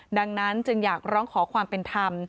ดังนั้นจึงอยากร้องขอความเป็นธรรม